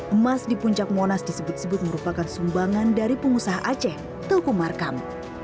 emas di puncak monas disebut sebut merupakan sumbangan dari pengusaha aceh telkomarkam